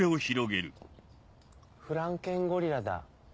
フランケンゴリラだ。